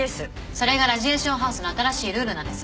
それがラジエーションハウスの新しいルールなんです